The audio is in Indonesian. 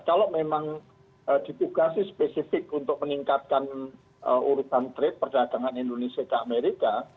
kalau memang ditugasi spesifik untuk meningkatkan urusan trade perdagangan indonesia ke amerika